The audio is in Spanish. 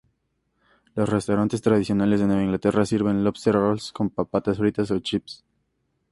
Los restaurantes tradicionales de Nueva Inglaterra sirven "lobster rolls" con patatas fritas o "chips".